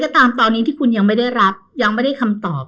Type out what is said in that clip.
ก็ตามตอนนี้ที่คุณยังไม่ได้รับยังไม่ได้คำตอบ